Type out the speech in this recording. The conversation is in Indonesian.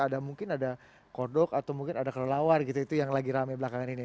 ada mungkin ada kodok atau mungkin ada kelelawar gitu itu yang lagi rame belakangan ini